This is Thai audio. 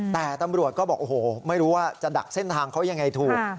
แต่ตำรวจก็บอกโอ้โหไม่รู้ว่าจะดักเส้นทางเขายังไงถูก